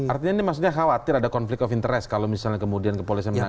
artinya ini maksudnya khawatir ada konflik of interest kalau misalnya kemudian kepolisian menangkap